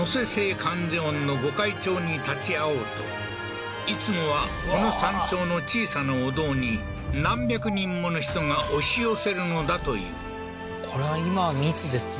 観世音の御開帳に立ち会おうといつもはこの山頂の小さなお堂に何百人もの人が押し寄せるのだというこれは今密ですね